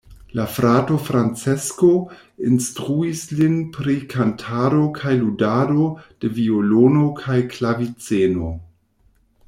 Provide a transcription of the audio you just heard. La frato Francesco instruis lin pri kantado kaj ludado de violono kaj klaviceno.